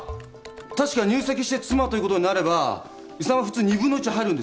確か入籍して妻ということになれば遺産は普通２分の１入るんですよね。